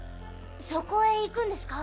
そこへ行くんですか？